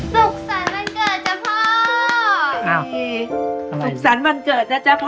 สุขสันด์บรรเกิดจ๊ะพ่อ